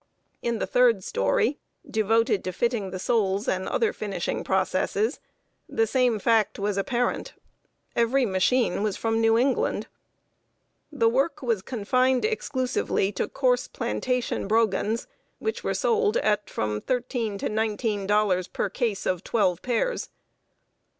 In the third story, devoted to fitting the soles and other finishing processes, the same fact was apparent every machine was from New England. The work was confined exclusively to coarse plantation brogans, which were sold at from thirteen to nineteen dollars per case of twelve pairs.